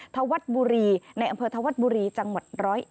ธวัดบุรีในอำเภอธวัดบุรีจังหวัด๑๐๑